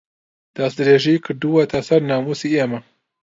دەستدرێژی کردووەتە سەر ناموسی ئێمە